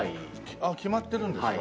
あっ決まってるんですか？